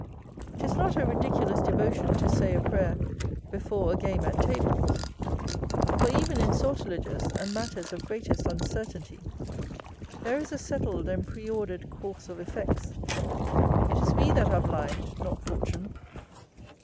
'Tis not a ridiculous devotion to say a prayer before a game at tables; for, even in sortileges and matters of greatest uncertainty, there is a settled and preordered course of effects. It is we that are blind, not fortune.